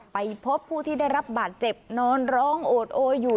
ไปพบผู้ที่ได้รับบาดเจ็บนอนร้องโอดโออยู่